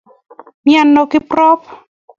Miano Kiprop?